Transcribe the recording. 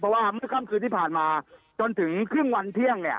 เพราะว่าเมื่อค่ำคืนที่ผ่านมาจนถึงครึ่งวันเที่ยงเนี่ย